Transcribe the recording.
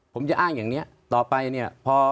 ผมจะอ้างอย่างนี้ต่อไปเนี่ย